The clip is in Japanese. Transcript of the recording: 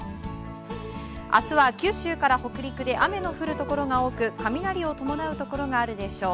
明日は九州から北陸で雨の降るところが多く雷を伴うところがあるでしょう。